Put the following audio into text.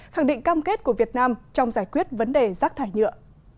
khẳng định cam kết của việt nam trong giải quyết vấn đề rác thải nhựa